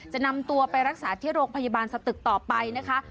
จะนำตัวไปรักษาที่โรงพยาบาลสตึกต่อไปนะคะ